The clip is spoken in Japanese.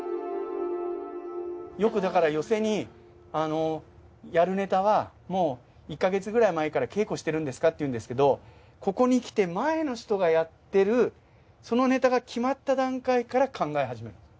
よくだから寄席にやるネタはもう１か月くらい前から稽古してるんですかっていうんですけどここに来て前の人がやってるそのネタが決まった段階から考え始めてるんです。